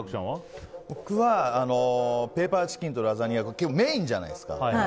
僕はペーパーチキンとラザニアがメインじゃないですか。